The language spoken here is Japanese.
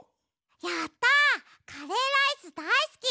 やった！カレーライスだいすき。